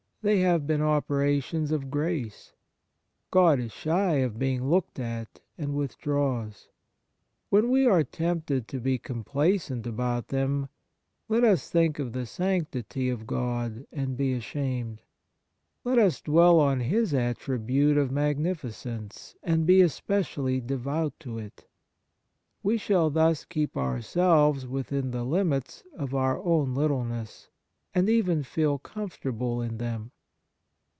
They have been operations of grace. God is shy of being looked at, and withdraws. When w^e are tempted to be complacent about them, let us think of the sanctity of God and be ashamed. Let us dwell on His attribute of magnificence, and be especially devout to it. We shall thus keep our selves within the limits of our own little ness, and even feel comfortable in them.